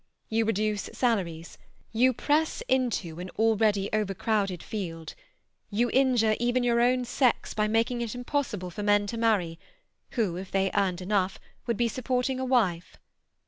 You reduce salaries, you press into an already overcrowded field, you injure even your own sex by making it impossible for men to marry, who, if they earned enough, would be supporting a wife."